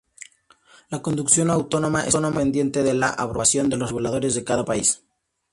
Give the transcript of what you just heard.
La conducción autónoma está pendiente de la aprobación de los reguladores de cada país.